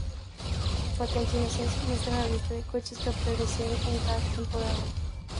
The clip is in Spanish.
A continuación se muestra la lista de coches que aparecen en cada temporada.